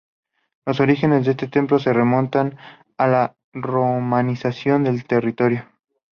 Los orígenes de este templo se remontan a la romanización del territorio.